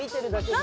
何？